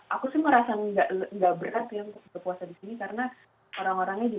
aku sih merasa nggak berat ya untuk berpuasa di sini